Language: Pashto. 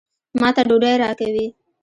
ما ته ډوډۍ راکوي.